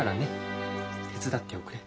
手伝っておくれ。